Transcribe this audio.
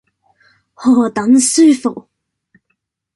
何等舒服。